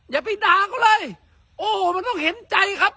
อย่าไปด่าเขาเลยโอ้โหมันต้องเห็นใจครับ